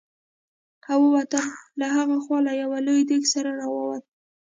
او ووتم، له ها خوا له یو لوی دېګ سره را ووت.